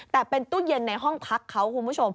แต่เป็นตู้เย็นในห้องพักเขาคุณผู้ชม